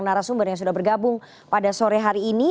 narasumber yang sudah bergabung pada sore hari ini